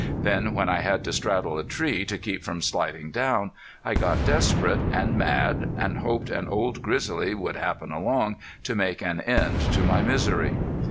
Then when I had to straddle a tree to keep from sliding down I got desperate and mad and hoped an old grizzly would happen along to make an end to my misery.